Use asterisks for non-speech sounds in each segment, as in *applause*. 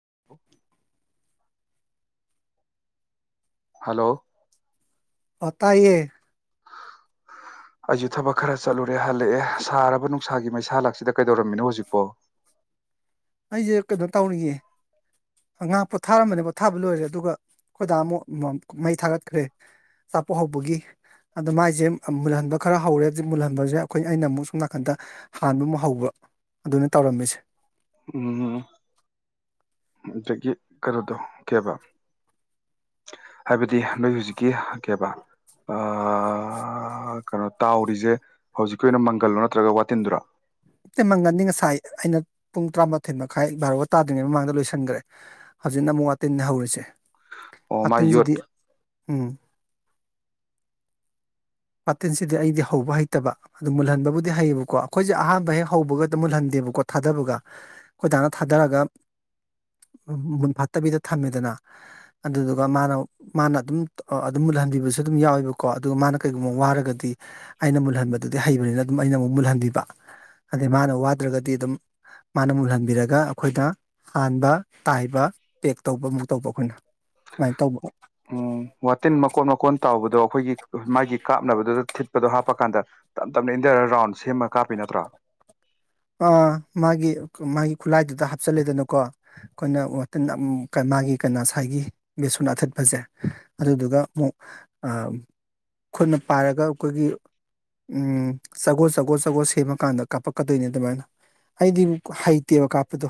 *unintelligible* Hello ꯑ ꯇꯥꯏꯌꯦ *unintelligible* ꯑꯩꯖꯨ ꯊꯕꯛ ꯈꯔ ꯆꯠꯂꯨꯔꯦ ꯍꯜꯂꯛꯑꯦ ꯁꯥꯔꯕ ꯅꯨꯡꯁꯥꯒꯤ ꯃꯩꯁꯥ ꯂꯥꯛꯁꯤꯗ ꯀꯩꯗꯧꯔꯝꯃꯤꯅꯣ ꯍꯧꯖꯤꯛꯄꯣ ꯑꯩꯖꯦ ꯀꯩꯅꯣ ꯇꯧꯔꯤꯌꯦ ꯉꯍꯥꯛ ꯄꯣꯠꯊꯥꯔꯝꯕꯅꯤ ꯄꯣꯠꯊꯥꯕ ꯂꯣꯏꯔꯦ ꯑꯗꯨꯒ ꯈꯣꯏꯗꯥ ꯑꯃꯨꯛ ꯃ ꯃꯩ ꯊꯥꯒꯠꯈ꯭ꯔꯦ ꯑꯆꯥꯄꯣꯠ ꯍꯧꯕꯒꯤ ꯑꯗꯣ ꯃꯥꯏꯖꯦ ꯑꯝ ꯃꯨꯜꯍꯟꯕ ꯈꯔ ꯍꯧꯔꯦ ꯍꯧꯖꯤꯛ ꯃꯨꯜꯍꯟꯕꯖꯦ ꯑꯩꯈꯣꯏ ꯑꯩꯅ ꯑꯃꯨꯛ ꯁꯣꯝ ꯅꯥꯀꯟꯗ ꯍꯥꯟꯕ ꯑꯃꯨꯛ ꯍꯧꯕ ꯑꯗꯨꯅꯦ ꯇꯧꯔꯝꯃꯤꯁꯦ ꯎꯝꯍꯨꯝ ꯑꯗꯒꯤ ꯀꯩꯅꯣꯗꯣ ꯀꯩꯕ ꯍꯥꯏꯕꯗꯤ ꯅꯣꯏ ꯍꯨꯖꯤꯛꯀꯤ ꯀꯩꯕ ꯑꯥ ꯀꯩꯅꯣ ꯇꯥꯎꯔꯤꯖꯦ ꯍꯧꯖꯤꯛꯀꯤ ꯑꯣꯏꯅ ꯃꯪꯒꯜꯂꯣ ꯅꯠꯇ꯭ꯔꯒ ꯋꯥꯇꯤꯟꯗꯨꯔꯣ ꯅꯠꯇꯦ ꯃꯪꯒꯟꯅꯤ ꯉꯁꯥꯏ ꯑꯩꯅ ꯄꯨꯡ ꯇꯔꯥꯃꯥꯊꯣꯏ ꯃꯈꯥꯏ ꯚꯥꯔꯣ ꯇꯥꯗ꯭ꯔꯤꯉꯩ ꯃꯃꯥꯡꯗ ꯂꯣꯏꯁꯤꯟꯒ꯭ꯔꯦ ꯍꯧꯖꯤꯛꯅ ꯑꯃꯨꯛ ꯋꯥꯇꯤꯟꯅꯦ ꯍꯧꯔꯤꯁꯦ ꯑꯣ ꯃꯥ ꯌꯣꯠ ꯋꯥꯇꯤꯟꯖꯤꯗꯤ ꯎꯝ ꯄꯥꯇꯤꯟꯁꯤꯗꯤ ꯑꯩꯗꯤ ꯍꯧꯕ ꯍꯩꯇꯕ ꯑꯗꯨ ꯃꯨꯜꯍꯟꯕꯕꯨꯗꯤ ꯍꯩꯌꯦꯕꯀꯣ ꯑꯩꯈꯣꯏꯖꯦ ꯑꯍꯥꯟꯕ ꯍꯦꯛ ꯍꯧꯕꯒꯗꯤ ꯃꯨꯜꯍꯟꯗꯦꯕꯀꯣ ꯊꯥꯗꯕꯒ ꯑꯈꯣꯏ ꯗꯥꯅ ꯊꯥꯙꯔꯒ ꯃꯨꯟꯐꯥꯠꯇꯕꯤꯗ ꯊꯝꯃꯦꯗꯅ ꯑꯗꯨꯗꯨꯒ ꯃꯥꯅ ꯃꯥꯅ ꯑꯗꯨꯝ ꯑ ꯑꯗꯨꯝ ꯃꯨꯠꯍꯟꯕꯤꯕꯁꯨ ꯑꯗꯨꯝ ꯌꯥꯎꯋꯦꯕꯀꯣ ꯑꯗꯨꯒ ꯃꯥꯅ ꯀꯩꯒꯨꯝꯕ ꯋꯥꯔꯒꯗꯤ ꯑꯩꯅ ꯃꯨꯜꯍꯟꯕꯗꯨꯗꯤ ꯍꯩꯕꯅꯤꯅ ꯑꯗꯨꯝ ꯑꯩꯅ ꯑꯃꯨꯛ ꯃꯨꯜꯍꯟꯕꯤꯕ ꯑꯗꯩ ꯃꯥꯅ ꯋꯥꯗ꯭ꯔꯒꯗꯤ ꯑꯗꯨꯝ ꯃꯥꯅ ꯃꯨꯜꯍꯟꯕꯤꯔꯒ ꯑꯩꯈꯣꯏꯗ ꯍꯥꯟꯕ ꯇꯥꯏꯕ ꯄꯦꯛ ꯇꯧꯕ ꯑꯃꯨꯛ ꯇꯧꯕ ꯑꯩꯈꯣꯏꯅ ꯁꯨꯃꯥꯏ ꯇꯧꯕ ꯎꯝ ꯋꯥꯇꯤꯟ ꯃꯀꯣꯟ ꯃꯀꯣꯟ ꯇꯥꯎꯕꯗꯣ ꯑꯩꯈꯣꯏꯒꯤ ꯃꯥꯒꯤ ꯀꯥꯞꯅꯕꯗꯨꯗ ꯊꯤꯠꯄꯗꯣ ꯍꯥꯞꯄ ꯀꯥꯟꯗ ꯇꯞ ꯇꯞꯅ ꯏꯟꯙꯔꯥ ꯔꯥꯎꯟ ꯁꯦꯝꯃ ꯀꯥꯞꯄꯤ ꯅꯠꯇ꯭ꯔꯣ ꯑꯥ ꯃꯥꯒꯤ ꯃꯥꯒꯤ ꯈꯨꯠꯂꯥꯏꯗꯨꯗ ꯍꯥꯞꯆꯤꯜꯂꯦꯗꯅꯀꯣ ꯑꯩꯈꯣꯏꯅ ꯋꯥꯇꯤꯟꯗ ꯎꯝ ꯀ ꯃꯥꯒꯤ ꯀꯩꯅꯣ ꯉꯁꯥꯏꯒꯤ ꯕꯦꯁꯣꯟ ꯑꯊꯤꯠꯄꯖꯦ ꯑꯗꯨꯗꯨꯒ ꯑꯃꯨꯛ ꯑ ꯈꯨꯠꯅ ꯄꯥꯏꯔꯒ ꯑꯩꯈꯣꯏꯒꯤ ꯎꯝ ꯆꯒꯣ ꯆꯒꯣ ꯆꯒꯣ ꯁꯦꯝꯃꯀꯥꯟꯗ ꯀꯥꯞꯄꯛꯀ ꯗꯩꯅꯦ ꯑꯗꯨꯃꯥꯏꯅ ꯑꯩꯗꯤ ꯍꯩꯇꯦꯕ ꯀꯥꯞꯄꯗꯣ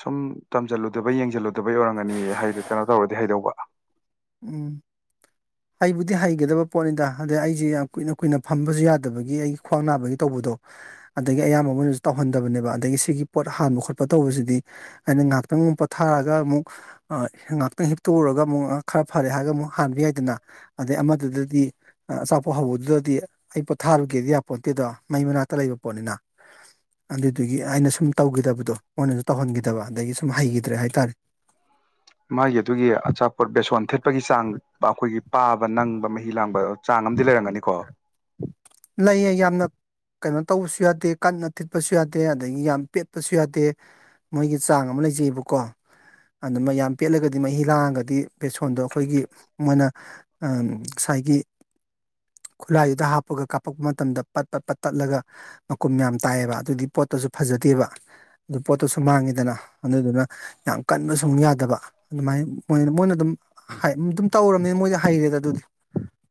ꯁꯨꯝ ꯇꯝꯖꯜꯂꯨꯗꯕꯩ ꯌꯦꯡꯖꯜꯂꯨꯗꯕꯩ ꯑꯣꯏꯔꯝꯒꯅꯤꯌꯦ ꯇꯧꯔꯗꯤ ꯍꯩꯗꯧꯕ ꯎꯝ ꯍꯩꯕꯨꯗꯤ ꯍꯩꯒꯗꯕ ꯄꯣꯠꯅꯤꯗ ꯑꯗꯨꯗ ꯑꯩꯖꯤ ꯌꯥꯝ ꯀꯨꯏꯅ ꯀꯨꯏꯅ ꯐꯝꯕꯖꯨ ꯌꯥꯗꯕꯒꯤ ꯑꯩ ꯈ꯭ꯋꯥꯡ ꯅꯥꯕꯒꯤ ꯇꯧꯕꯗꯣ ꯑꯗꯒꯤ ꯑꯌꯥꯝꯕ ꯃꯣꯏꯅꯖꯨ ꯇꯧꯍꯟꯗꯕꯅꯦꯕ ꯑꯗꯒꯤ ꯁꯤꯒꯤ ꯄꯣꯠ ꯍꯥꯟꯕ ꯈꯣꯠꯄ ꯇꯧꯕꯖꯤꯗꯤ ꯑꯩꯅ ꯉꯍꯥꯛꯇꯪ ꯃꯨꯛ ꯄꯣꯊꯥꯔꯒ ꯑꯃꯨꯛ ꯑ ꯉꯍꯥꯛꯇꯪ ꯍꯤꯞꯇꯣꯛꯎꯔꯒ ꯑꯃꯨꯛ ꯑ ꯈꯔ ꯐꯔꯦ ꯍꯥꯏꯔꯒ ꯑꯃꯨꯛ ꯍꯥꯟꯕ ꯌꯥꯏꯗꯅ ꯑꯗꯩ ꯑꯃꯗꯨꯗꯗꯤ ꯑ ꯑꯆꯥꯄꯣꯠ ꯍꯧꯕꯗꯨꯗꯗꯤ ꯑꯩ ꯄꯣꯊꯥꯔꯨꯒꯦꯗꯤ ꯌꯥꯄꯣꯟꯇꯦꯗꯣ ꯃꯩ ꯃꯅꯥꯛꯇ ꯂꯩꯕ ꯄꯣꯠꯅꯤꯅ ꯑꯗꯨꯗꯨꯒꯤ ꯑꯩꯅ ꯁꯨꯝ ꯇꯧꯒꯤꯗꯕꯗꯣ ꯃꯣꯏꯅꯖꯨ ꯇꯧꯍꯟꯒꯤꯗꯕ ꯑꯗꯒꯤ ꯁꯨꯝ ꯍꯩꯒꯤꯗ꯭ꯔꯦ ꯍꯥꯏꯇꯥꯔꯦ ꯃꯥꯒꯤ ꯑꯗꯨꯒꯤ ꯑꯆꯥꯄꯣꯠ ꯕꯦꯁꯣꯟ ꯊꯤꯠꯄꯒꯤ ꯆꯥꯡ ꯕꯥ ꯑꯩꯈꯣꯏꯒꯤ ꯄꯥꯕ ꯅꯪꯕ ꯃꯍꯤ ꯂꯥꯡꯕ ꯆꯥꯡ ꯑꯝꯗꯤ ꯂꯩꯔꯝꯒꯅꯤꯀꯣ ꯂꯩꯌꯦ ꯌꯥꯝꯅ ꯀꯩꯅꯣ ꯇꯧꯕꯁꯨ ꯌꯥꯗꯦ ꯀꯟꯅ ꯊꯤꯠꯄꯁꯨ ꯌꯥꯗꯦ ꯑꯗꯒꯤ ꯌꯥꯝ ꯄꯦꯠꯄꯁꯨ ꯌꯥꯗꯦ ꯃꯣꯏꯒꯤ ꯆꯥꯡ ꯑꯃ ꯂꯩꯖꯩꯑꯕꯀꯣ ꯑꯗꯨꯃ ꯌꯥꯝ ꯄꯦꯠꯂꯒꯗꯤ ꯃꯍꯤ ꯂꯥꯡꯉꯒꯗꯤ ꯕꯦꯁꯣꯟꯗꯣ ꯑꯩꯈꯣꯏꯒꯤ ꯃꯣꯏꯅ ꯉꯁꯥꯏꯒꯤ ꯈꯨꯠꯂꯥꯏꯗꯨꯗ ꯍꯥꯞꯄꯒ ꯀꯥꯞꯄꯛꯄ ꯃꯇꯝꯗ ꯄꯠ ꯄꯠ ꯄꯠ ꯇꯠꯂꯒ ꯃꯀꯨꯝ ꯌꯥꯝ ꯇꯥꯏꯑꯦꯕ ꯑꯗꯨꯒꯤ ꯄꯣꯠꯇꯨꯁꯨ ꯐꯖꯗꯦꯕ ꯑꯗꯨ ꯄꯣꯠꯇꯨꯁꯨ ꯃꯥꯡꯉꯤꯗꯅ ꯑꯗꯨꯗꯨꯅ ꯌꯥꯝ ꯀꯟꯕ ꯁꯨꯝ ꯌꯥꯗꯕ ꯑꯗꯨꯃꯥꯏꯅ ꯃꯣꯏ ꯃꯣꯏꯅ ꯑꯗꯨꯝ ꯑꯗꯨꯝ ꯇꯧꯔꯕꯅꯤꯅ ꯃꯣꯏꯗꯤ ꯍꯩꯔꯦꯗ ꯑꯗꯨꯗꯤ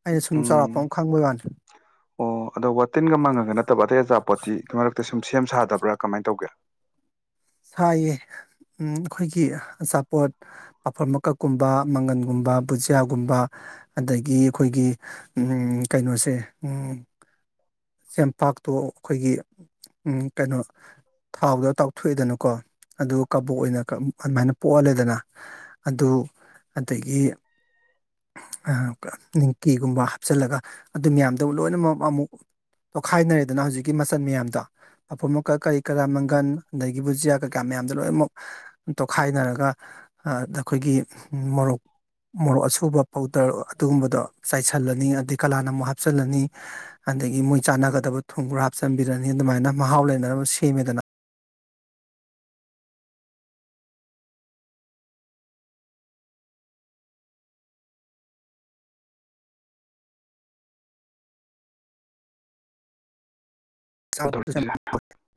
ꯑꯩꯅ ꯁꯨꯝ ꯆꯥꯎꯔꯥꯛꯄ ꯎꯝ ꯑꯃ ꯈꯪꯕꯩ ꯋꯥꯥꯟꯗ *unintelligible* ꯑꯣ ꯑꯗꯣ ꯋꯥꯇꯤꯟꯒ ꯃꯥꯡꯉꯒ ꯅꯠꯇꯕ ꯑꯇꯩ ꯑꯆꯥꯄꯣꯠꯇꯤ ꯃꯔꯛꯇ ꯁꯨꯝ ꯁꯦꯝ ꯁꯥꯗꯕ꯭ꯔꯥ ꯀꯃꯥꯏꯅ ꯇꯧꯒꯦ ꯁꯥꯏꯌꯦ ꯑꯩꯈꯣꯏꯒꯤ ꯑꯆꯥꯄꯣꯠ ꯑꯐ ꯃꯀꯛꯀꯨꯝꯕ ꯃꯪꯒꯟꯒꯨꯝꯕ ꯕꯨꯖꯤꯌꯥꯒꯨꯝꯕ ꯑꯗꯒꯤ ꯑꯩꯈꯣꯏꯒꯤ ꯎ ꯀꯩꯅꯣꯁꯦ ꯆꯦꯡꯄꯥꯛꯇꯣ ꯑꯩꯈꯣꯏꯒꯤ ꯀꯩꯅꯣ ꯊꯥꯎꯗꯣ ꯇꯥꯎꯊꯣꯛꯏꯗꯅꯀꯣ ꯑꯗꯨꯒ ꯀꯕꯣꯛ ꯑꯣꯏꯅ ꯑꯗꯨꯃꯥꯏꯅ ꯄꯣꯛꯍꯜꯂꯦꯗꯅ ꯑꯗꯨ ꯑꯗꯒꯤ ꯅꯤꯡꯀꯤꯒꯨꯝꯕ ꯍꯥꯞꯆꯤꯜꯂꯒ ꯑꯗꯨ ꯃꯌꯥꯝꯗꯣ ꯂꯣꯏꯅꯃꯛ ꯑꯃꯨꯛ ꯇꯣꯈꯥꯏꯅꯔꯦꯗꯅ ꯍꯧꯖꯤꯛꯀꯤ ꯃꯆꯜ ꯃꯌꯥꯝꯗꯣ ꯑꯄꯣꯃꯛꯀ ꯀꯔꯤ ꯀꯔꯥ ꯃꯪꯒꯟ ꯑꯗꯒꯤ ꯕꯨꯖꯤꯌꯥ ꯀꯩꯀꯥ ꯃꯌꯥꯝꯗꯣ ꯂꯣꯏꯅꯃꯛ ꯇꯣꯈꯥꯏꯅꯔꯒ ꯑꯩꯈꯣꯏꯒꯤ ꯃꯣꯔꯣꯛ ꯃꯣꯔꯣꯛ ꯑꯁꯨꯕ ꯄꯥꯎꯗꯔ ꯑꯗꯨꯒꯨꯝꯕꯗꯣ ꯆꯥꯏꯁꯤꯜꯂꯅꯤ ꯑꯗꯩ ꯀꯂꯥꯅ ꯑꯃꯨꯛ ꯍꯥꯞꯆꯜꯂꯅꯤ ꯑꯗꯒꯤ ꯃꯣꯏ ꯆꯥꯟꯅꯒꯗꯕ ꯊꯨꯝꯕꯨ꯭ꯔ ꯍꯥꯞꯆꯤꯟꯕꯤꯔꯅꯤ ꯑꯗꯨꯃꯥꯏꯅ ꯃꯍꯥꯎ ꯂꯩꯅꯅꯕ ꯁꯦꯝꯃꯦꯗꯅ ꯆꯥꯎ *unintelligible*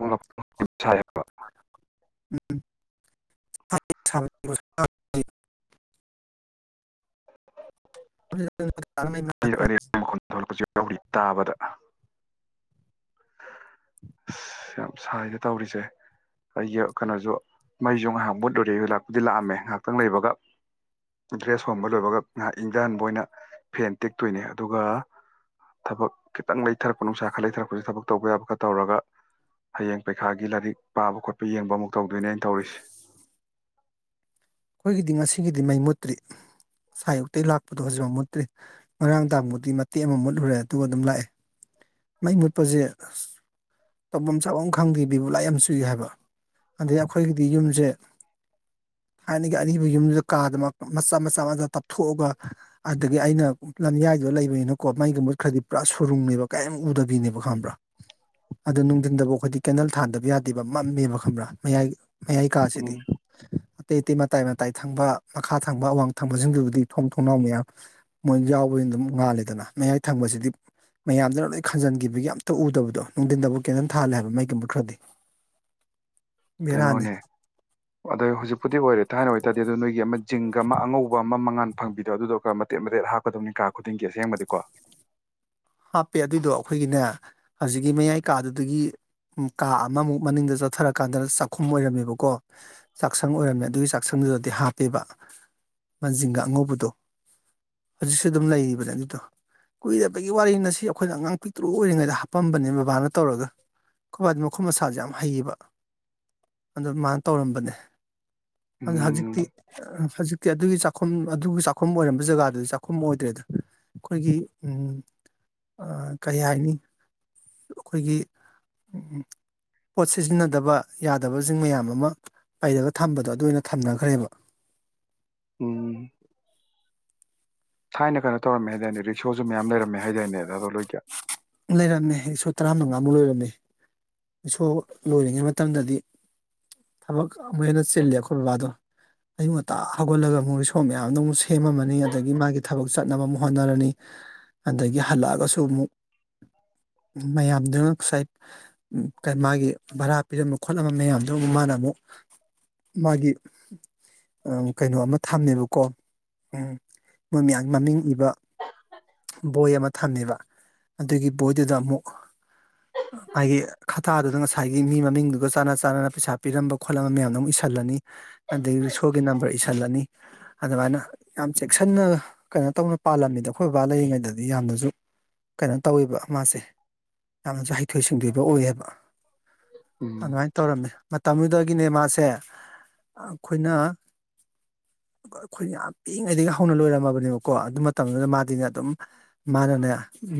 ꯎꯡ *unintelligible* ꯎꯝ *unintelligible* ꯑꯔꯛ ꯑꯔꯦ ꯃꯈꯨꯟ ꯊꯣꯛꯂꯛꯄꯁꯨ ꯌꯥꯎꯔꯤ ꯇꯥꯕꯗ ꯑꯁ ꯌꯥꯝ ꯁꯥꯏꯒ ꯇꯧꯔꯤꯁꯦ ꯑꯩꯒꯤ ꯀꯩꯅꯣꯁꯨ ꯃꯩꯁꯨ ꯉꯥꯏꯍꯥꯛ ꯃꯣꯠ ꯂꯔꯦ ꯂꯥꯛꯄꯨꯗꯤ ꯂꯥꯛꯑꯝꯃꯦ ꯉꯥꯏꯍꯥꯛꯇꯪ ꯂꯩꯕꯒ꯫ ꯗ꯭ꯔꯦꯁ ꯍꯣꯟꯕ ꯂꯣꯏꯕꯒ ꯉꯥꯏꯍꯥꯛ ꯏꯪꯊꯍꯟꯕ ꯑꯣꯏꯅ ꯐꯦꯟ ꯇꯦꯛꯇꯣꯏꯅꯦ ꯑꯗꯨꯒ ꯊꯕꯛ ꯈꯤꯇꯪ ꯂꯩꯊꯔꯛꯄ ꯅꯨꯡꯁꯥ ꯈꯔ ꯂꯩꯊꯔꯛꯄꯁꯦ ꯊꯕꯛ꯫ ꯇꯧꯕ ꯌꯥꯕ ꯈ ꯇꯧꯔꯒ ꯍꯌꯦꯡ ꯄꯩꯈꯥꯒꯤ ꯂꯥꯏꯔꯤꯛ ꯄꯥꯕ ꯈꯣꯠꯄ ꯌꯦꯡꯕ ꯑꯃꯨꯛ ꯇꯧꯗꯣꯏꯅꯦ ꯑꯩꯅ ꯇꯧꯔꯤꯁꯦ꯫ ꯑꯩꯈꯣꯏꯒꯤꯗꯤ ꯉꯁꯤꯒꯤꯗꯤ ꯃꯩ ꯃꯨꯠꯇ꯭ꯔꯤ ꯉꯁꯥꯏ ꯑꯌꯨꯛꯇ ꯂꯥꯛꯄꯗꯣ ꯍꯧꯖꯤꯛꯐ ꯃꯨꯠꯇ꯭ꯔꯤ꯫ ꯉꯔꯥꯡ ꯇꯥꯕꯨꯗꯤ ꯃꯇꯦꯛ ꯑꯃ ꯃꯨꯠꯂꯨꯔꯦ ꯑꯗꯨꯒ ꯑꯗꯨꯝ ꯂꯥꯛꯑꯦ ꯃꯩ ꯃꯨꯠꯄꯁꯦ ꯑꯁ꯫ ꯇꯧꯐꯝ ꯆꯥꯐꯝ ꯈꯪꯗꯦ ꯕꯤꯕꯨ ꯂꯥꯏ ꯌꯥꯝ ꯆꯨꯏ ꯍꯥꯏꯕ ꯑꯗꯩ ꯑꯩꯈꯣꯏꯒꯤꯗꯤ ꯌꯨꯝꯁꯦ ꯊꯥꯏꯅꯒꯤ ꯑꯔꯤꯕ ꯌꯨꯝꯗꯨꯗ ꯀꯥꯗꯅ ꯃꯆꯥ ꯃꯆꯥ ꯃꯆꯥ ꯇꯞꯊꯣꯛꯑꯒ ꯑꯗꯨꯗꯒꯤ ꯑꯩꯅ꯫ ꯂꯝꯌꯥꯏꯗꯨꯗ ꯂꯩꯕꯅꯤꯅꯀꯣ ꯃꯩꯒ ꯃꯨꯠꯈ꯭ꯔꯗꯤ ꯄꯨꯔꯥ ꯁꯨꯔꯨꯡꯅꯦꯕ ꯀꯔꯤꯝ ꯎꯗꯕꯤꯅꯦꯕ ꯈꯪꯕ꯭ꯔꯥ꯫ ꯑꯗꯨꯗꯣ ꯅꯨꯡꯊꯤꯟꯗꯕꯨ ꯑꯩꯈꯣꯏꯗꯤ ꯀꯦꯅꯦꯜ ꯊꯥꯟꯗꯕ ꯌꯥꯗꯦꯕ ꯃꯝꯃꯦꯕ ꯈꯪꯕ꯭ꯔꯥ ꯃꯌꯥꯏ꯫ ꯃꯌꯥꯏ ꯀꯥꯁꯤꯗꯤ꯫ ꯎꯝ ꯑꯇꯩ ꯑꯇꯩ ꯃꯇꯥꯏ ꯃꯇꯥꯏ ꯊꯪꯕ ꯃꯈꯥ ꯊꯪꯕ ꯑꯋꯥꯡ ꯊꯪꯕꯁꯤꯡꯗꯨꯕꯨꯗꯤ ꯊꯣꯡ ꯊꯣꯡꯅꯥꯎ ꯃꯌꯥꯝ꯫ ꯃꯣꯏ ꯌꯥꯎꯕꯅ ꯑꯗꯨꯝ ꯉꯥꯂꯦꯗꯅ ꯃꯌꯥꯏ ꯊꯪꯕꯁꯤꯗꯤ꯫ ꯃꯌꯥꯝꯗꯨꯅ ꯂꯣꯏ ꯈꯟꯖꯤꯟꯈꯤꯕꯒꯤ ꯑꯝꯇ ꯎꯗꯕꯗꯣ ꯅꯨꯡꯊꯤꯟꯗꯕꯨ ꯀꯦꯟꯇꯟ ꯊꯥꯍꯜꯂꯦ ꯍꯥꯏꯕ ꯃꯩꯒꯨꯝꯕ ꯈ꯭ꯔꯗꯤ꯫ ꯀꯩꯅꯣꯅꯦ꯫ ꯑꯗꯣ ꯍꯧꯖꯤꯛꯄꯨꯗꯤ ꯑꯣꯏꯔꯦ ꯊꯥꯏꯅ ꯑꯣꯏꯇꯥꯔꯗꯤ ꯑꯗꯨ ꯅꯣꯏꯒꯤ ꯑꯃ ꯖꯤꯡꯒ ꯑꯃ ꯑꯉꯧꯕ ꯑꯃ ꯃꯉꯥꯟ ꯐꯪꯕꯤꯗꯣ ꯑꯗꯨꯗꯣꯒꯔ ꯃꯇꯦꯛꯠ ꯃꯇꯦꯛꯠ ꯍꯥꯞꯄ꯫ ꯀꯀꯗꯕꯅꯤ ꯀꯥ ꯈꯨꯗꯤꯡꯒꯤ ꯑꯁꯦꯡꯕꯗꯤꯀꯣ꯫ ꯍꯥꯞꯄꯦ ꯑꯗꯨꯏꯗꯣ ꯑꯩꯈꯣꯏꯒꯤꯅꯦ ꯍꯧꯖꯤꯛꯀꯤ ꯃꯌꯥꯏ ꯀꯥꯗꯨꯗꯒꯤ꯫ ꯎꯝ ꯀꯥ ꯑꯃꯃꯨꯛ ꯃꯅꯤꯡꯗ ꯆꯠꯊꯔꯀꯥꯟꯗ ꯆꯥꯛꯈꯨꯝ ꯑꯣꯏꯔꯝꯃꯦꯕꯀꯣ ꯆꯥꯛꯁꯪ ꯑꯣꯏꯔꯝꯃꯦ ꯑꯗꯨꯒꯤ ꯆꯥꯛꯁꯪꯗꯨꯗꯗꯤ ꯍꯥꯞꯄꯦꯕ ꯖꯤꯟꯒ ꯑꯉꯧꯕꯗꯣ ꯍꯧꯖꯤꯛ ꯁꯨ ꯑꯗꯨꯝ ꯂꯩꯔꯤꯕ ꯑꯗꯨꯗꯣ ꯀꯨꯏꯔꯕꯩ ꯋꯥꯔꯤꯅ ꯁꯤ ꯑꯩꯈꯣꯏꯅ ꯑꯉꯥꯡ ꯄꯤꯛꯇ꯭ꯔꯨ ꯑꯣꯏꯔꯤꯉꯩꯗ ꯍꯥꯞꯄꯝꯕꯅꯦ ꯕꯕꯥꯅ ꯇꯧꯔꯒ ꯑꯩꯈꯣꯏ ꯕꯥꯗꯤ ꯃꯈꯨꯠ ꯃꯁꯥꯁꯦ ꯌꯥꯝ ꯍꯩꯌꯦꯕ ꯑꯗꯨ ꯃꯥꯅ ꯇꯧꯔꯝꯕꯅꯦ ꯑꯗꯨ ꯍꯧꯖꯤꯛꯇꯤ ꯎꯝ ꯍꯧꯖꯤꯛꯇꯤ ꯑꯗꯨꯒꯤ ꯆꯥꯛꯈꯨꯝ ꯑꯗꯨꯒꯤ ꯆꯥꯛꯈꯨꯝ ꯑꯣꯏꯔꯝꯕ ꯖꯒꯥꯗꯨꯗꯤ ꯆꯥꯛꯈꯨꯝ ꯑꯣꯏꯗ꯭ꯔꯦꯗ꯫ ꯑꯩꯈꯣꯏꯒꯤ ꯎꯝ ꯀꯩ ꯍꯥꯏꯅꯤ ꯑꯩꯈꯣꯏꯒꯤ ꯎꯝ ꯄꯣꯠ ꯁꯤꯖꯤꯟꯅꯗꯕ ꯌꯥꯗꯕꯁꯤꯡ ꯃꯌꯥꯝ ꯑꯃ ꯄꯩꯔꯒ ꯊꯝꯕꯗꯣ ꯑꯗꯨ ꯑꯣꯏꯅ ꯊꯝꯅꯈ꯭ꯔꯦꯕ ꯎꯝ ꯊꯥꯏꯅ ꯀꯩꯅꯣ ꯇꯧꯔꯝꯃꯦ ꯍꯥꯏꯗꯥꯏꯅꯦ ꯔꯤꯛꯁꯣꯁꯨ ꯃꯌꯥꯝ ꯂꯩꯔꯝꯃꯦ ꯍꯥꯏꯗꯥꯏꯅꯦ ꯔꯥꯍꯨꯜ ꯍꯣꯏꯒꯤ ꯂꯩꯔꯝꯃꯦ ꯔꯤꯛꯁꯣ ꯇꯔꯥꯃꯉꯥꯃꯨꯛ ꯂꯣꯏꯔꯝꯃꯦ ꯔꯤꯛꯁꯣ ꯂꯣꯏꯔꯤꯉꯩ ꯃꯇꯝꯗꯗꯤ ꯊꯕꯛ ꯑꯃꯨꯛ ꯍꯦꯟꯅ ꯆꯤꯜꯂꯦ ꯑꯩꯈꯣꯏ ꯕꯕꯥꯗꯣ ꯑꯌꯨꯛ ꯉꯇꯥ ꯍꯧꯒꯠꯂꯒ ꯑꯃꯨꯛ ꯔꯤꯛꯁꯣ ꯃꯌꯥꯝꯗꯣ ꯑꯃꯨꯛ ꯁꯦꯝꯃꯝꯃꯅꯤ ꯑꯗꯒꯤ ꯃꯥꯒꯤ ꯊꯕꯛ ꯆꯠꯅꯕ ꯑꯃꯨꯛ ꯍꯣꯠꯅꯔꯅꯤ ꯑꯗꯒꯤ ꯍꯜꯂꯛꯑꯒꯁꯨ ꯑꯃꯨꯛ ꯃꯌꯥꯝꯗꯨꯅ ꯉꯁꯥꯏ ꯃꯥꯒꯤ ꯚꯔꯥ ꯄꯤꯔꯝꯕ ꯈꯣꯠꯂꯝꯕ ꯃꯌꯥꯝꯗꯨ ꯑꯃꯨꯛ ꯃꯥꯅ ꯑꯃꯨꯛ ꯃꯥꯒꯤ ꯀꯩꯅꯣ ꯑꯃ ꯊꯝꯃꯦꯕꯀꯣ ꯎꯝ ꯃꯣꯏ ꯃꯌꯥꯝꯒꯤ ꯃꯃꯤꯡ ꯏꯕ ꯕꯣꯏ ꯑꯃ ꯊꯝꯃꯦꯕ ꯑꯗꯨꯒꯤ ꯕꯣꯏꯗꯨꯗ ꯑꯃꯨꯛ ꯃꯥꯒꯤ ꯈꯠꯇꯥꯗꯨꯗ ꯉꯁꯥꯏꯒꯤ ꯃꯤ ꯃꯃꯤꯡꯗꯨꯒ ꯆꯥꯟꯅ ꯆꯥꯟꯅꯅ ꯄꯩꯁꯥ ꯄꯤꯔꯝꯕ ꯈꯣꯠꯂꯝꯕ ꯃꯌꯥꯝꯗꯣ ꯑꯃꯨꯛ ꯏꯁꯤꯜꯂꯅꯤ ꯑꯗꯒꯤ ꯔꯤꯛꯁꯣꯒꯤ ꯅꯝꯕꯔ ꯏꯁꯤꯜꯂꯅꯤ ꯑꯗꯨꯃꯥꯏꯅ ꯌꯥꯝ ꯆꯦꯛꯁꯤꯟꯅ ꯀꯩꯅꯣ ꯇꯧꯅ ꯄꯥꯜꯂꯝꯃꯤꯗ ꯑꯩꯈꯣꯏ ꯕꯕꯥ ꯂꯩꯔꯤꯉꯩꯗꯗꯤ ꯌꯥꯝꯅꯁꯨ ꯀꯩꯅꯣ ꯇꯧꯋꯦꯕ ꯃꯥꯁꯦ ꯌꯥꯝꯅꯁꯨ ꯍꯩꯊꯣꯏ ꯁꯤꯡꯊꯣꯏꯕ ꯑꯣꯏꯌꯦꯕ ꯎꯝ ꯑꯗꯨꯃꯥꯏ ꯇꯧꯔꯝꯃꯤ ꯃꯇꯝꯗꯨꯗꯒꯤꯅꯦ ꯃꯥꯁꯦ ꯑꯩꯈꯣꯏꯅ ꯑꯩꯈꯣꯏꯅ ꯌꯥꯝ ꯄꯤꯛꯏꯉꯩꯗꯒꯤ ꯍꯧꯅ ꯂꯣꯏꯔꯝꯃꯕꯅꯦꯕꯀꯣ ꯑꯗꯨ ꯃꯇꯝꯗꯨꯗ ꯃꯥꯗꯤꯅꯦ ꯑꯗꯨꯝ ꯃꯥꯅꯅꯦ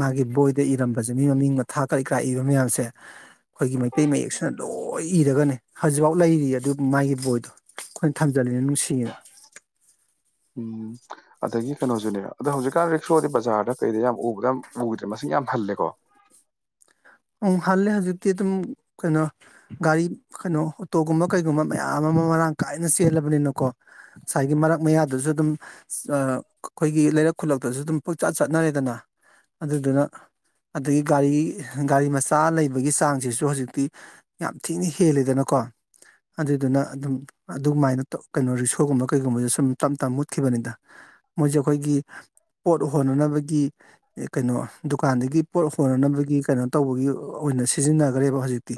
ꯃꯥꯒꯤ ꯕꯣꯏꯗ ꯏꯔꯝꯕꯁꯦ ꯃꯤ ꯃꯃꯤꯡ ꯃꯊꯥ ꯀꯔꯤ ꯀꯌꯥ ꯏꯕ ꯃꯌꯥꯝꯁꯦ ꯑꯩꯈꯣꯏꯒꯤ ꯃꯩꯇꯩ ꯃꯌꯦꯛꯁꯤꯅ ꯂꯣꯏ ꯏꯔꯒꯅꯤ ꯍꯧꯖꯤꯛꯐꯥꯎ ꯂꯩꯔꯤ ꯑꯗꯨ ꯃꯥꯒꯤ ꯕꯣꯏꯗꯣ ꯑꯩꯈꯣꯏꯅ ꯊꯝꯖꯜꯂꯤꯅ ꯅꯨꯡꯁꯤꯌꯦꯅ ꯎꯝ ꯑꯗꯒꯤ ꯀꯩꯅꯣꯁꯨꯅꯦ ꯑꯗꯣ ꯍꯧꯖꯤꯛꯀꯥꯟ ꯔꯤꯛꯁꯣꯗꯤ ꯕꯖꯥꯔꯗ ꯀꯩꯗ ꯌꯥꯝ ꯎꯕꯗꯣ ꯎꯗ꯭ꯔꯦ ꯃꯁꯤꯡ ꯌꯥꯝ ꯍꯜꯂꯦꯀꯣ ꯎꯝ ꯍꯜꯂꯦ ꯍꯧꯖꯤꯛꯇꯤ ꯑꯗꯨꯝ ꯀꯩꯅꯣ ꯒꯥꯔꯤ ꯀꯩꯅꯣ ꯑꯣꯇꯣꯒꯨꯝꯕ ꯀꯩꯒꯨꯝꯕ ꯃꯌꯥꯝ ꯑꯃ ꯃꯔꯥꯡ ꯀꯥꯏꯅ ꯆꯦꯜꯂꯕꯅꯤꯅꯀꯣ ꯉꯁꯥꯏꯒꯤ ꯃꯔꯛ ꯃꯌꯥꯗꯨꯁꯨ ꯑꯗꯨꯝ ꯑꯥ ꯑꯩꯈꯣꯏꯒꯤ ꯂꯩꯔꯛ ꯈꯨꯜꯂꯛꯇꯁꯨ ꯑꯗꯨꯝ ꯄꯪꯆꯠ ꯆꯠꯅꯔꯦꯗꯅ ꯑꯗꯨꯗꯨꯅ ꯑꯗꯒꯤ ꯒꯥꯔꯤ ꯒꯥꯔꯤ ꯃꯆꯥ ꯂꯩꯕꯒꯤ ꯆꯥꯡꯁꯤꯁꯨ ꯍꯧꯖꯤꯛꯇꯤ ꯌꯥꯝ ꯊꯤꯅ ꯍꯦꯜꯂꯦꯗꯅꯀꯣ ꯑꯗꯨꯗꯨꯅ ꯑꯗꯨꯝ ꯑꯗꯨꯃꯥꯏꯅ ꯀꯩꯅꯣ ꯔꯤꯛꯁꯣꯒꯨꯝꯕ ꯀꯩꯒꯨꯝꯕꯁꯦ ꯁꯨꯝ ꯇꯞ ꯇꯞꯅ ꯃꯨꯠꯈꯤꯕꯅꯤꯗ ꯃꯣꯏꯁꯦ ꯑꯩꯈꯣꯏꯒꯤ ꯄꯣꯠ ꯍꯣꯟꯅꯅꯕꯒꯤ ꯀꯩꯅꯣ ꯗꯨꯀꯥꯟꯗꯒꯤ ꯄꯣꯠ ꯍꯣꯟꯅꯅꯕꯒꯤ ꯀꯩꯅꯣ ꯇꯧꯕꯒꯤ ꯑꯣꯏꯅ ꯁꯤꯖꯤꯟꯅꯈ꯭ꯔꯦꯕ ꯍꯧꯖꯤꯛꯇꯤ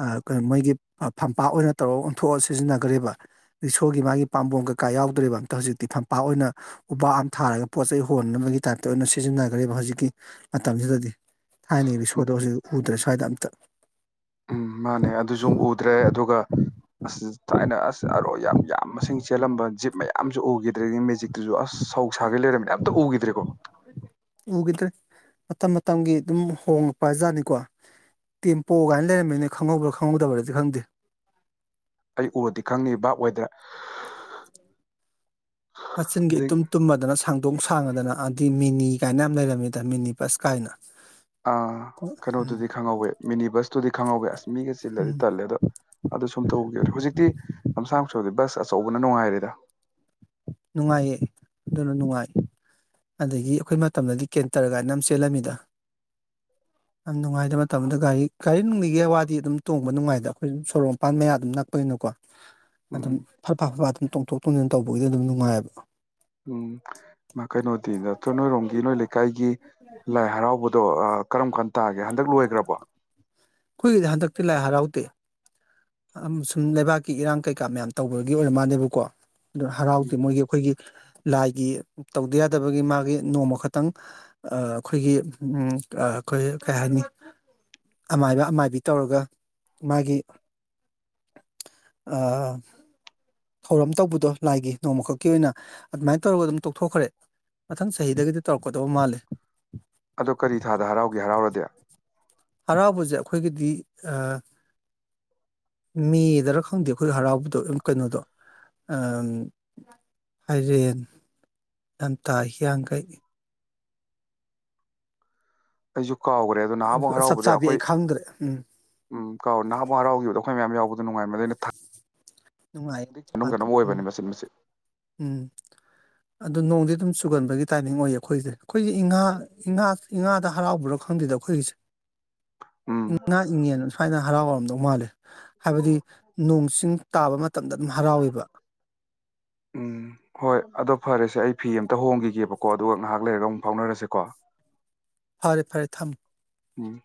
ꯑꯥ ꯀ ꯃꯣꯏꯒꯤ ꯐꯝꯄꯥꯛ ꯑꯣꯏꯅ ꯇꯧꯔꯒ ꯑꯣꯟꯊꯣꯛꯑ ꯁꯤꯖꯤꯟꯅꯈ꯭ꯔꯦꯕ ꯔꯤꯛꯁꯣꯒꯤ ꯃꯥꯒꯤ ꯄꯥꯝꯕꯣꯝ ꯀꯩꯀꯥ ꯌꯥꯎꯗ꯭ꯔꯦꯕ ꯑꯝꯇ ꯍꯧꯖꯤꯛꯇꯤ ꯐꯝꯄꯥꯛ ꯑꯣꯏꯅ ꯎꯕꯥꯛ ꯑꯃ ꯊꯥꯔꯒ ꯄꯣꯠ ꯆꯩ ꯍꯣꯟꯕꯒꯤ ꯇꯥꯏꯞꯇ ꯑꯣꯏꯅ ꯁꯤꯖꯤꯟꯅꯈ꯭ꯔꯦꯕ ꯍꯧꯖꯤꯛꯀꯤ ꯃꯇꯝꯁꯤꯗꯗꯤ ꯊꯥꯏꯅꯒꯤ ꯎꯝ ꯔꯤꯛꯁꯣꯗꯣ ꯍꯧꯖꯤꯛ ꯎꯗ꯭ꯔꯦ ꯁ꯭ꯋꯥꯏꯗ ꯑꯝꯇ ꯎꯝ ꯃꯥꯅꯦ ꯑꯗꯨꯁꯨ ꯎꯗ꯭ꯔꯦ ꯑꯗꯨꯒ ꯑꯁ ꯊꯥꯏꯅ ꯑꯁ ꯑꯔꯣꯏ ꯌꯥꯝ ꯃꯁꯤꯡ ꯆꯦꯜꯂꯝꯕ ꯖꯤꯞ ꯃꯌꯥꯝꯁꯨ ꯎꯈꯤꯗ꯭ꯔꯦ ꯃꯦꯖꯤꯛ ꯑꯗꯨꯨꯁꯨ ꯑꯁ ꯁꯧꯁꯥꯒꯩ ꯂꯩꯔꯝꯃꯤꯅꯦ ꯑꯝꯇ ꯎꯈꯤꯗ꯭ꯔꯦꯀꯣ ꯎꯈꯤꯗ꯭ꯔꯦ ꯃꯇꯝ ꯃꯇꯝꯒꯤ ꯑꯗꯨꯝ ꯍꯣꯡꯂꯛꯄ ꯖꯥꯠꯅꯤꯀꯣ ꯇꯦꯝꯄꯣ ꯀꯥꯏꯅ ꯂꯩꯔꯝꯃꯤꯅꯦ ꯅꯣꯏ ꯈꯪꯍꯧꯕ꯭ꯔꯥ ꯈꯪꯍꯧꯗꯕ꯭ꯔꯗꯤ ꯈꯪꯗꯦ ꯑꯩ ꯎꯔꯗꯤ ꯈꯪꯅꯤ ꯚꯥꯞ ꯑꯣꯏꯗ꯭ꯔ ꯃꯆꯤꯟꯒ ꯏꯇꯨꯝ ꯇꯨꯝꯃꯗꯅ ꯁꯥꯡꯗꯣꯡ ꯁꯥꯡꯉꯗꯅ ꯑꯗꯤ ꯃꯤꯅꯤ ꯀꯥꯏꯅ ꯌꯥꯝ ꯂꯩꯔꯝꯃꯤꯗ ꯃꯤꯅꯤ ꯕꯁ ꯀꯥꯏꯅ ꯑ ꯎꯝ ꯀꯩꯅꯣꯗꯨꯗꯤ ꯈꯪꯍꯧꯋꯦ ꯃꯤꯅꯤ ꯕꯁꯇꯨꯗꯤ ꯈꯪꯍꯧꯋꯦ ꯑꯁ ꯃꯤꯒ ꯆꯤꯜꯂꯗꯤ ꯎꯝ ꯇꯜꯂꯦ ꯑꯗꯣ ꯑꯗꯨꯁꯨ ꯑꯃꯇꯥ ꯎꯈꯤꯕ꯭ꯔꯦ ꯍꯧꯖꯤꯛꯇꯤ ꯂꯝꯁꯥꯡ ꯆꯇꯄꯁꯦ ꯕꯁ ꯑꯆꯧꯕꯅ ꯅꯨꯡꯉꯥꯏꯔꯦꯗ ꯅꯨꯡꯉꯥꯏꯌꯦ ꯑꯗꯨꯅ ꯅꯨꯡꯉꯥꯏ ꯑꯗꯒꯤ ꯑꯩꯈꯣꯏ ꯃꯇꯝꯗꯗꯤ ꯀꯦꯟꯇꯔ ꯀꯥꯏꯅ ꯑꯃ ꯆꯦꯜꯂꯝꯃꯤꯗ *inaudible* ꯌꯥꯝ ꯅꯨꯡꯉꯥꯏꯇꯕ ꯃꯇꯝꯗꯨꯗ ꯒꯥꯔꯤ ꯒꯥꯔꯤ ꯅꯨꯡꯂꯤꯒꯤ ꯋꯥꯗꯤ ꯑꯗꯨꯝ ꯇꯣꯡꯕ ꯅꯨꯡꯉꯥꯏꯗ ꯑꯩꯈꯣꯏ ꯁꯨꯝ ꯁꯣꯔꯣꯛ ꯃꯄꯥꯟ ꯃꯌꯥ ꯑꯗꯨꯝ ꯅꯛꯄꯅꯤꯅ ꯀꯣ *unintelligible* ꯑꯗꯨꯝ ꯐꯠ ꯐꯥ ꯐꯠ ꯐꯥ ꯑꯗꯨꯝ ꯇꯣꯡꯊꯣꯛ ꯇꯣꯡꯁꯤꯅ ꯇꯧꯕꯒꯤꯗꯤ ꯑꯗꯨꯝ ꯅꯨꯡꯉꯥꯏꯑꯕ ꯎꯝ ꯃꯥ ꯀꯩꯅꯣꯗꯤ ꯅꯠꯇ ꯅꯣꯏꯔꯣꯝꯒꯤ ꯅꯣꯏ ꯂꯩꯀꯥꯏꯒꯤ ꯂꯥꯏ ꯍꯔꯥꯎꯕꯗꯣ ꯀꯔꯝ ꯀꯥꯟ ꯇꯥꯒꯦ ꯍꯟꯗꯛ ꯂꯣꯏꯈ꯭ꯔꯕꯣ? ꯑꯩꯈꯣꯏꯒꯤꯗꯤ ꯍꯟꯗꯛꯇꯤ ꯂꯥꯏ ꯍꯔꯥꯎꯗꯦ ꯑ ꯁꯨꯝ ꯂꯩꯕꯥꯛꯀꯤ ꯏꯔꯥꯡ ꯀꯩꯀꯥ ꯃꯌꯥꯝ ꯇꯧꯕꯒꯤ ꯑꯣꯏꯔ ꯃꯥꯜꯂꯦꯕꯀꯣ ꯑꯗꯨ ꯍꯔꯥꯎꯗꯦ ꯎꯝ ꯃꯣꯏꯒꯤ ꯑꯩꯈꯣꯏꯒꯤ ꯂꯥꯏꯒꯤ ꯇꯧꯗ ꯌꯥꯗꯕꯒꯤ ꯃꯥꯒꯤ ꯅꯣꯡꯃ ꯈꯛꯇꯪ ꯑꯥ ꯑꯩꯈꯣꯏꯒꯤ ꯎ ꯑ ꯑꯩꯈꯣꯏꯒꯤ ꯀꯥꯔꯤ ꯍꯥꯏꯅꯤ ꯑꯃꯥꯏꯕ ꯑꯃꯥꯏꯕꯤ ꯇꯧꯔꯒ ꯃꯥꯒꯤ ꯑꯥ ꯊꯧꯔꯝ ꯇꯧꯕꯗꯣ ꯂꯥꯏꯒꯤ ꯅꯣꯡꯃꯈꯛꯀꯤ ꯑꯣꯏꯅ ꯑꯗꯨꯃꯥꯏꯅ ꯇꯧꯔꯒ ꯑꯗꯨꯝ ꯇꯣꯛꯊꯣꯛꯈ꯭ꯔꯦ ꯃꯊꯪ ꯆꯍꯤꯗꯒꯗꯤ ꯇꯧꯔꯛꯀꯗꯕ ꯃꯥꯜꯂꯤ ꯑꯗꯣ ꯀꯔꯤ ꯊꯥꯗ ꯍꯔꯥꯎꯒꯦ ꯍꯔꯥꯎꯔꯗꯤ ꯍꯔꯥꯎꯕꯁꯦ ꯑꯩꯈꯣꯏꯒꯤꯗꯤ ꯃꯦꯗꯔ ꯈꯪꯗꯦ ꯑꯩꯈꯣꯏ ꯍꯔꯥꯎꯕꯗꯣ ꯀꯩꯅꯣꯗꯣ ꯑ ꯐꯥꯏꯔꯦꯟ ꯂꯝꯇꯥ ꯍꯤꯌꯥꯡꯒꯩ ꯑꯩꯁꯨ ꯀꯥꯎꯈ꯭ꯔꯦ ꯑꯗꯨꯗꯣ ꯅꯍꯥꯕꯣ ꯆꯞ ꯍꯔꯥꯎꯕꯗ ꯆꯥꯕꯤ ꯑꯩ ꯑꯩꯈꯣꯏ ꯈꯪꯗ꯭ꯔꯦ ꯎꯝ ꯎꯝ ꯀꯥꯎ ꯅꯍꯥꯟꯃꯨꯛ ꯍꯔꯥꯎꯈꯤꯕꯗ ꯑꯩꯈꯣꯏ ꯃꯌꯥꯝ ꯌꯥꯎꯕꯗ ꯅꯨꯡꯉꯥꯏꯕꯅꯦ ꯊꯥ ꯅꯨꯡꯉꯥꯏꯌꯦ ꯀ ꯀꯩꯅꯣꯝ ꯀꯩꯅꯣꯝ ꯎꯝ ꯑꯣꯏꯕꯅꯤ ꯃꯆꯤꯠ ꯃꯆꯠ ꯎꯝ ꯑꯗꯨ ꯅꯣꯡꯗꯤ ꯑꯗꯨꯝ ꯆꯨꯒꯟꯕꯒꯤ ꯇꯥꯏꯃꯤꯡ ꯑꯣꯏꯌꯦ ꯑꯩꯈꯣꯏꯁꯦ ꯑꯩꯈꯣꯏꯁꯦ ꯏꯉꯥ ꯏꯉꯥ ꯏꯉꯥꯗ ꯍꯔꯥꯎꯕ꯭ꯔꯥ ꯈꯪꯗꯦꯗ ꯑꯩꯈꯣꯏꯒꯤꯁꯦ ꯎꯝ ꯏꯪꯉꯥ ꯏꯪꯉꯦꯅ ꯁꯨꯋꯥꯏꯗ ꯍꯔꯥꯎꯔꯝꯗꯧ ꯃꯥꯜꯂꯤ ꯍꯥꯏꯕꯗꯤ ꯅꯣꯡ ꯆꯤꯡ ꯇꯥꯕ ꯃꯇꯝꯗ ꯑꯗꯨꯝ ꯍꯔꯥꯎꯋꯦꯕ *unintelligible* ꯎꯝ ꯍꯣꯏ ꯑꯗꯣ ꯐꯔꯦꯁꯦ ꯑꯩ ꯐꯤ ꯑꯃꯝꯇ ꯍꯣꯡꯈꯤꯒꯦꯕꯀꯣ ꯑꯗꯨꯒ ꯉꯥꯏꯍꯥꯛ ꯂꯩꯔꯒ ꯑꯃꯨꯛ ꯐꯥꯎꯅꯔꯁꯦꯀꯣ ꯐꯔꯦ ꯐꯔꯦ ꯊꯝꯃ ꯎꯝ